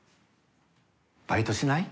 バイトしない？